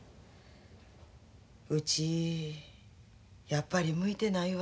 うちやっぱり向いてないわ